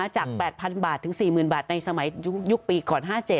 จาก๘๐๐๐บาทถึง๔๐๐บาทในสมัยยุคปีก่อน๕๗